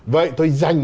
vậy tôi dành